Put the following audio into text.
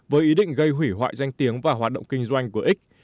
với ý định gây hủy hoại danh tiếng và hoạt động kinh doanh của x